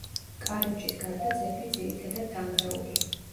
კარიბჭის გარდა ძეგლი ძირითადად დანგრეულია.